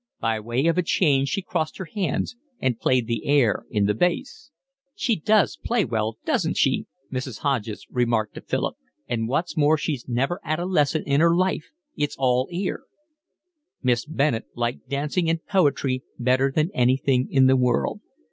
By way of a change she crossed her hands and played the air in the bass. "She does play well, doesn't she?" Mrs. Hodges remarked to Philip. "And what's more she's never 'ad a lesson in 'er life; it's all ear." Miss Bennett liked dancing and poetry better than anything in the world.